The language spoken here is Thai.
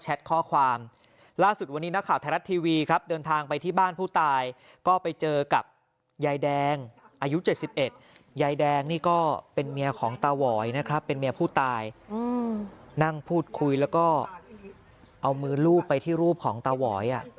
เอามือลูบไปที่รูปของตาหวอย